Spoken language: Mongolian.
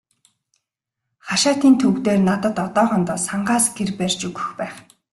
Хашаатын төв дээр надад одоохондоо сангаас гэр барьж өгөх байх.